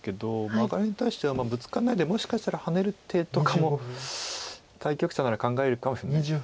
マガリに対してはブツカらないでもしかしたらハネる手とかも対局者なら考えるかもしれないです。